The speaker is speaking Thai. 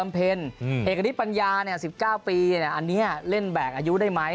เอกณิตปัญญา๑๙ปีอันนี้เล่นแบกอายุได้ไหม